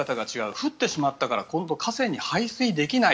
降ってしまったから今度は河川に排水できない。